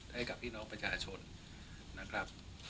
ให้กับพี่น้องประชาชนนะครับ